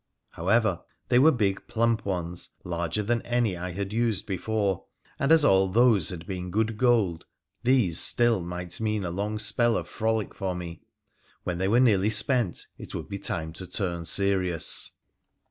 However, they were big plump ones, larger than any I had used before, and, as all those had been good gold, these still might mean a long spell of frolic for me — when they were nearly spent it would be time to turn serious.